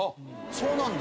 そうなんだ！